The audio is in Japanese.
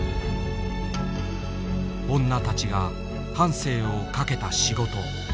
女たちが半生を懸けた仕事。